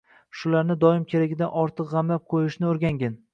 Shularni doim keragidan ortiq g‘amlab qo‘yishni o‘rgangin